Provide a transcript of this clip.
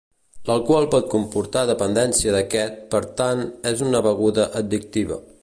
L'alcohol pot comportar dependència d'aquest per tant és una beguda addictiva.